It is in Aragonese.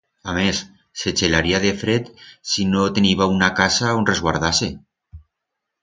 Amés, se chelaría de fred si no teniba una casa a on resguardar-se.